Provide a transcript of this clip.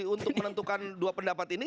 untuk menentukan dua pendapat ini